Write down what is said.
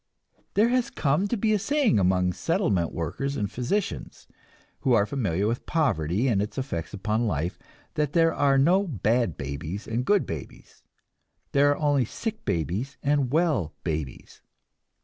There has come to be a saying among settlement workers and physicians, who are familiar with poverty and its effects upon life, that there are no bad babies and good babies, there are only sick babies and well babies.